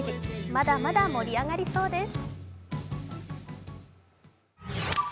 まだまだ盛り上がりそうです。